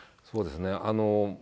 そうですね。